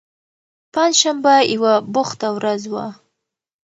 پنجشنبه یوه بوخته ورځ وه.